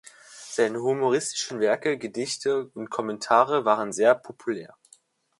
Seine humoristischen Werke, Gedichte und Kommentare waren sehr populär.